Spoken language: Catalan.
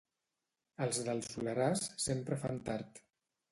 Els del Soleràs, sempre fan tard.